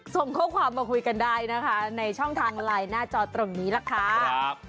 ส่งข้อความมาคุยกันได้นะคะในช่องทางไลน์หน้าจอตรงนี้ล่ะค่ะ